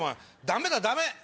ダメだダメ！